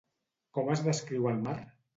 Com es descriu el mar?